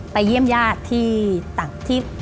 ไปเยี่ยมญาติที่